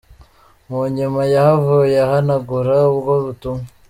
" Munyuma yahavuye ahanagura ubwo butumwa.